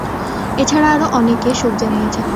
এছাড়া আরো অনেকে শোক জানিয়েছেন।